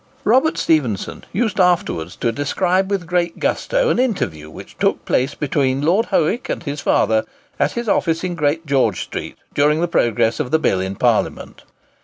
Robert Stephenson used afterwards to describe with great gusto an interview which took place between Lord Howick and his father, at his office in Great George Street, during the progress of the bill in Parliament.